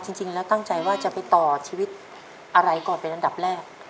จริงแล้วตั้งใจว่าจะไปต่อชีวิตอะไรก่อนเป็นอันดับแรก